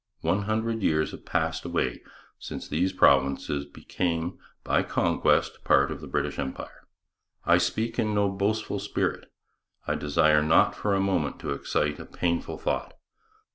One hundred years have passed away since these provinces became by conquest part of the British Empire. I speak in no boastful spirit. I desire not for a moment to excite a painful thought.